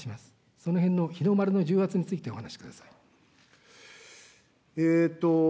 そのへんの日の丸の重圧についてお話しください。